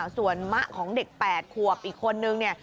ส่วนมะของเด็ก๘ขวบอีกคนนึงเนี่ย